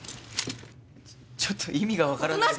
ちょっと意味が分からない。